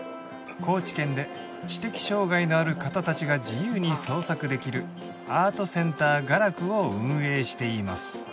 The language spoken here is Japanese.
高知県で知的障がいのある方たちが自由に創作できるアートセンター画楽を運営しています